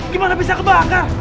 gimana bisa kebakar